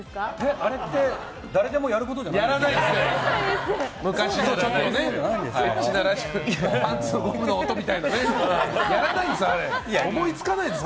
あれって、誰でもやることじゃないんですか？